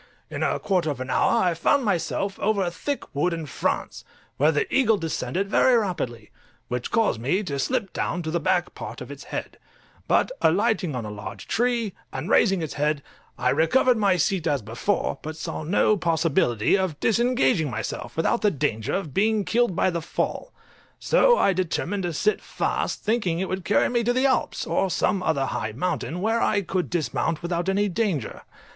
In a quarter of an hour I found myself over a thick wood in France, where the eagle descended very rapidly, which caused me to slip down to the back part of its head; but alighting on a large tree, and raising its head, I recovered my seat as before, but saw no possibility of disengaging myself without the danger of being killed by the fall; so I determined to sit fast, thinking it would carry me to the Alps, or some other high mountain, where I could dismount without any danger.